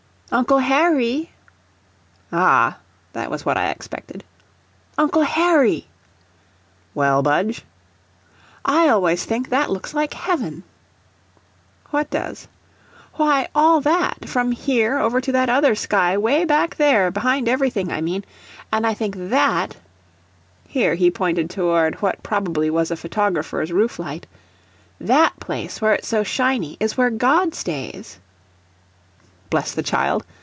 "Uncle Harry!" Ah, that was what I expected! "Uncle Harry!" "Well, Budge?" "I always think that looks like heaven." "What does?" "Why, all that, from here over to that other sky way back there behind everything, I mean. And I think THAT (here he pointed toward what probably was a photographer's roof light) that place where it's so shiny, is where God stays." Bless the child!